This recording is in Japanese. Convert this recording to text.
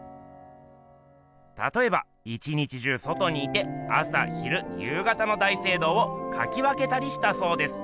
たとえば一日中外にいて朝昼夕方の大聖堂をかき分けたりしたそうです。